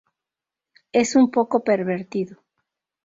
Es un poco pervertido.